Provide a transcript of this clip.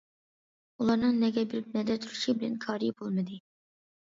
ئۇلارنىڭ نەگە بېرىپ، نەدە تۇرۇشى بىلەن كارى بولمىدى.